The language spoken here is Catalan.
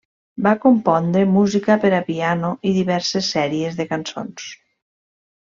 Va compondre música per a piano i diverses sèries de cançons.